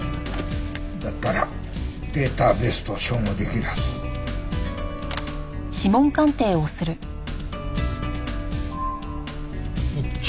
だったらデータベースと照合できるはず。一致！